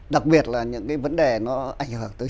đặc biệt là những cái vấn đề nó ảnh hưởng tới